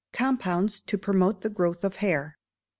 Compounds to Promote the Growth of Hair.